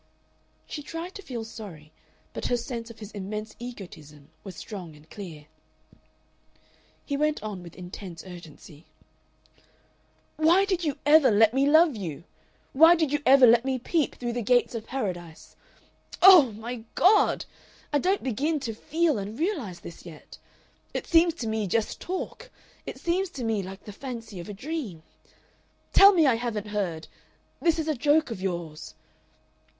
She tried to feel sorry, but her sense of his immense egotism was strong and clear. He went on with intense urgency. "Why did you ever let me love you? Why did you ever let me peep through the gates of Paradise? Oh! my God! I don't begin to feel and realize this yet. It seems to me just talk; it seems to me like the fancy of a dream. Tell me I haven't heard. This is a joke of yours."